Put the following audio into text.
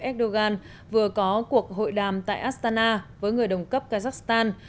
erdogan vừa có cuộc hội đàm tại astana với người đồng cấp kazakhstan